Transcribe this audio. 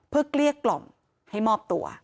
เพื่อเกลี้ยกล่อมให้มอบตัว